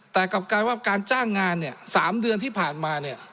แต่กลับกลายว่าการจ้างงาน๓เดือนที่ผ่านมา